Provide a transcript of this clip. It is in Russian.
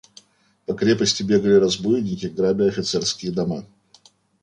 По крепости бегали разбойники, грабя офицерские дома.